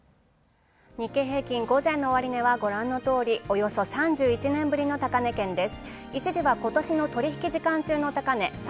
日経平均午前の終値はごらんのとおり、およそ３１年ぶりの高値圏です。